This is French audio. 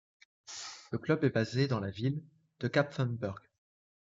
Le club est basé dans la ville de Kapfenberg.